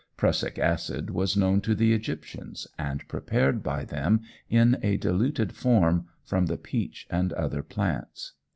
Prussic acid was known to the Egyptians, and prepared by them in a diluted form, from the peach and other plants.